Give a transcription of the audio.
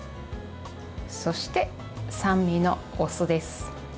そして、酸味のお酢です。